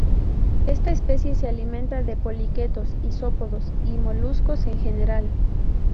Esta especie se alimenta de poliquetos, isópodos y moluscos en general.